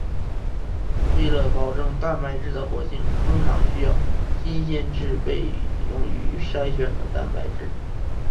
为了保证蛋白质的活性通常需要新鲜制备用于筛选的蛋白质。